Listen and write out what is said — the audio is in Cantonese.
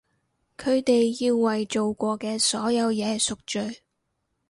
佢哋要為做過嘅所有嘢贖罪！